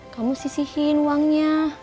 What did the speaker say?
kamu sisihin uangnya